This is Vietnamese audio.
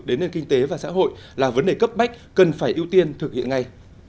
đến nền kinh tế và xã hội là vấn đề cấp bách cần phải ưu tiên thực hiện ngay